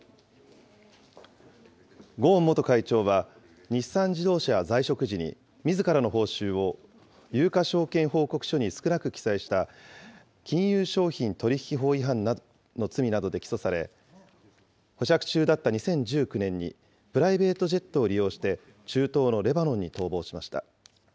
ゴーン元会長は、日産自動車在職時に、みずからの報酬を有価証券報告書に少なく記載した金融商品取引法違反の罪などで起訴され、保釈中だった２０１９年にプライベートジェットを利用して中東のレバノンに逃亡しました。